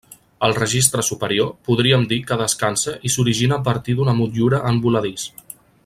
El registre superior, podríem dir que descansa i s'origina a partir d'una motllura en voladís.